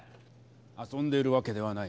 遊んでるわけではない。